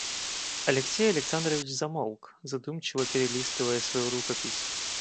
Алексей Александрович замолк, задумчиво перелистывая свою рукопись.